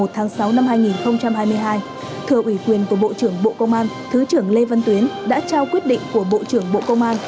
thừa ủy quyền của bộ trưởng bộ công an thứ trưởng lê văn tuyến đã trao quyết định của bộ trưởng bộ công an